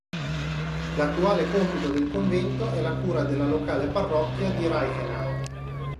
L'attuale compito del convento è la cura della locale parrocchia di Reichenau.